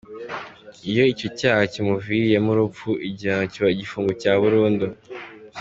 Iyo icyo cyaha kimuviriyemo urupfu, igihano kiba igifungo cya burundu.